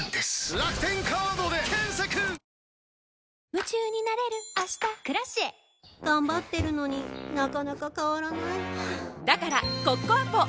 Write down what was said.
夢中になれる明日「Ｋｒａｃｉｅ」頑張ってるのになかなか変わらないはぁだからコッコアポ！